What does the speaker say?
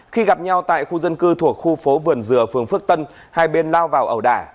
khi gặp nhau tại khu dân cư thuộc khu phố vườn dừa phường phước tân hai bên lao vào ẩu đả